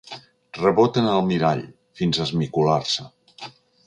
Reboten al mirall, fins a esmicolar-se.